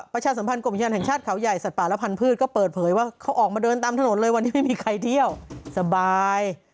ประชาสัมพันธ์กรมอุทยานแห่งชาติเขาใหญ่สัตว์ป่าและพันธุ์ก็เปิดเผยว่าเขาออกมาเดินตามถนนเลยวันนี้ไม่มีใครเที่ยวสบาย